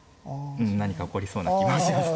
うん何か起こりそうな気もします。